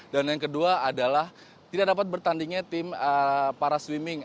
dan yang kedua adalah tidak dapat bertandingnya tim para swimming